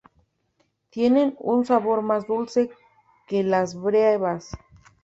Tienen un sabor más dulce que las brevas.